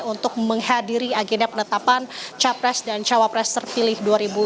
untuk menghadiri agenda penetapan capres dan cawapres terpilih dua ribu dua puluh